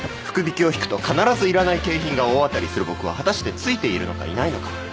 福引を引くと必ずいらない景品が大当たりする僕は果たしてついているのかいないのか。